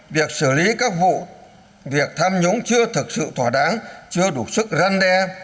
việc xử lý các vụ việc tham nhũng chưa thực sự thỏa đáng chưa đủ sức răn đe